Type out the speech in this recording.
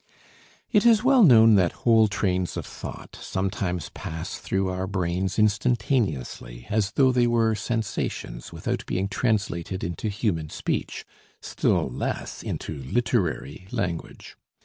It is well known that whole trains of thought sometimes pass through our brains instantaneously as though they were sensations without being translated into human speech, still less into literary language.